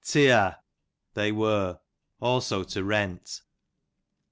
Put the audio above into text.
Teear, they were; also to rent.